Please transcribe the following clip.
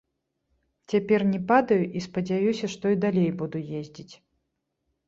Цяпер не падаю і спадзяюся, што і далей буду ездзіць.